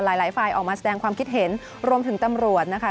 หลายฝ่ายออกมาแสดงความคิดเห็นรวมถึงตำรวจนะคะ